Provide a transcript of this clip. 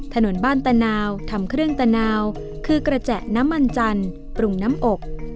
ถนนบ้านตะนาวทำเครื่องตะนาวคือกระแจน้ำมันจันทร์ปรุงน้ำอบ